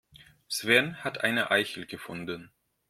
Sven hat eine Eichel gefunden.